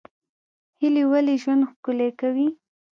هیلې ولې ژوند ښکلی کوي؟